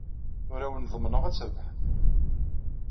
Ur awen-ḍemmneɣ ad trebḥem.